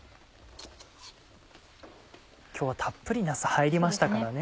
今日はたっぷりなす入りましたからね。